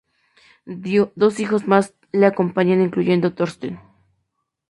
Dos hijos más le acompañan, incluyendo Thorsten.